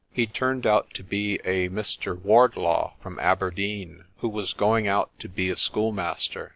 He turned out to be a Mr. Ward law from Aberdeen, who was going out to be a schoolmaster.